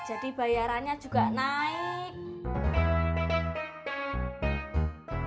jadi bayarannya juga naik